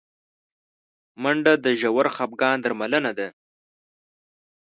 منډه د ژور خفګان درملنه ده